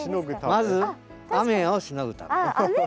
まず雨をしのぐため。